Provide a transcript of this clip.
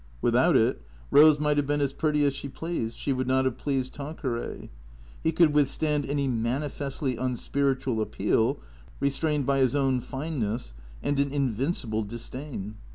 Without it Eose might have been as pretty as she pleased, she would not have pleased Tanqueray. He could withstand any manifestly unspiritual appeal, restrained by his own fineness and an invincible disdain.